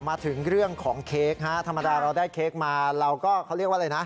มาถึงเรื่องของเค้กฮะธรรมดาเราได้เค้กมาเราก็เขาเรียกว่าอะไรนะ